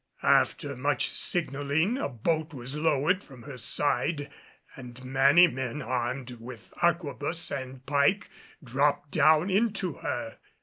After much signaling a boat was lowered from her side and many men armed with arquebus and pike dropped down into her.